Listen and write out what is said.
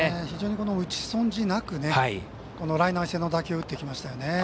非常に打ち損じなくこのライナー性の打球を打ってきましたよね。